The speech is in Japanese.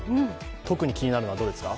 特に気になるのはどれですか？